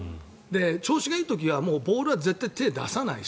調子がいい時はボールは絶対に手を出さないし。